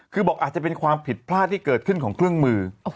คือบอกอาจจะเป็นความผิดพลาดที่เกิดขึ้นของเครื่องมือ